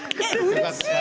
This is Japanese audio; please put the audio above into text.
うれしい！